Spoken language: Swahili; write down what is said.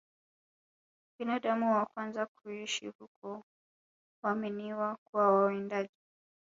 Binadamu wa kwanza kuishi huko huaminiwa kuwa wawindaji